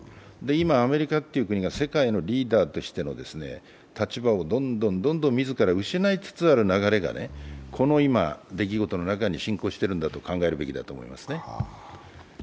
今、アメリカという国が世界のリーダーとしての立場をどんどん自ら失いつつある流れがこの今、出来事の中に進行しているんだと考えるべきですね。